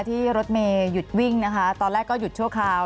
ที่รถเมย์หยุดวิ่งนะคะตอนแรกก็หยุดชั่วคราว